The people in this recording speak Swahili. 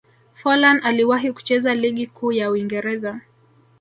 forlan aliwahi kucheza ligi kuu ya uingereza